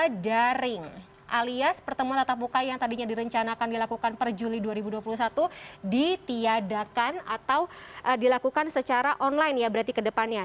karena daring alias pertemuan tatap muka yang tadinya direncanakan dilakukan per juli dua ribu dua puluh satu ditiadakan atau dilakukan secara online ya berarti kedepannya